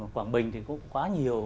quảng bình thì có quá nhiều